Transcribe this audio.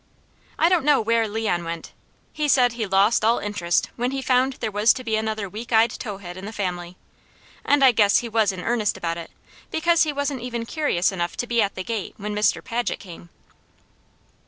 I don't know where Leon went. He said he lost all interest when he found there was to be another weak eyed towhead in the family, and I guess he was in earnest about it, because he wasn't even curious enough to be at the gate when Mr. Paget came.